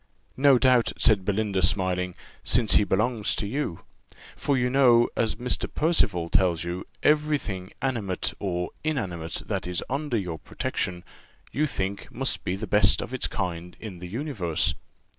"No doubt," said Belinda, smiling, "since he belongs to you; for you know, as Mr. Percival tells you, every thing animate or inanimate that is under your protection, you think must be the best of its kind in the universe."